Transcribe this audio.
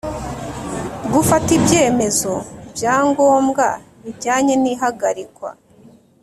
Gufata ibyemezo bya ngombwa bijyanye n’ihagarikwa